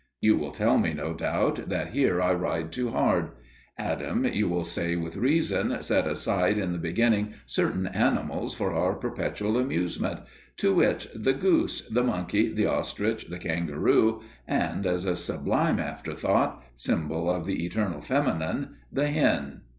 You will tell me, no doubt, that here I ride too hard. Adam, you will say with reason, set aside in the beginning certain animals for our perpetual amusement to wit: the goose, the monkey, the ostrich, the kangaroo, and, as a sublime afterthought symbol of the Eternal Feminine the hen.